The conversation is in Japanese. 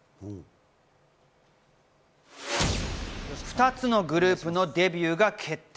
２つのグループのデビューが決定。